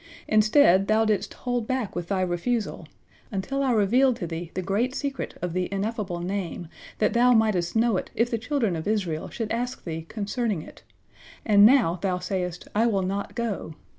Instead, thou didst hold back with thy refusal, until I revealed to thee the great secret of the Ineffable Name, that thou mightest know it if the children of Israel should ask thee concerning it. And now thou sayest, I will not go.